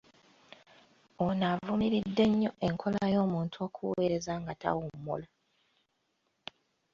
Ono avumiridde nnyo enkola y'omuntu okuweereza nga tawummula.